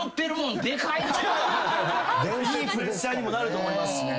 いいプレッシャーにもなると思いますしね。